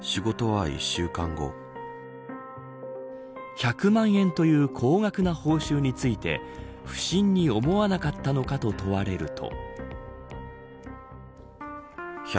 １００万円という高額な報酬について不審に思わなかったのかと問われると。